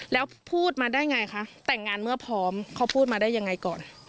แล้วพูดมาได้ไงคะแต่งงานเมื่อพร้อมเขาพูดมาได้ยังไงก่อน